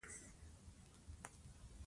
ترانسپورت باید اسانه شي.